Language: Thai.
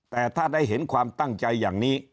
แต่ถ้าได้เห็นความตั้งใจอย่างนี้